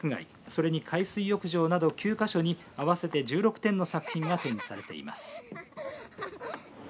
それに海水浴場など９か所に合わせて１６点の作品が展示されています。